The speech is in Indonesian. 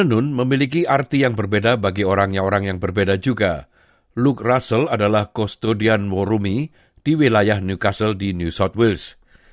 dan memiliki kata kata yang sangat penting untuk menjelaskan keadaan orang orang di wilayah newcastle di new south wales